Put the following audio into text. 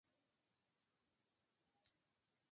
شکيبا له کريم څخه پوښتنه وکړه ؟